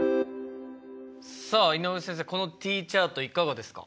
さあ井上先生このＴチャートいかがですか？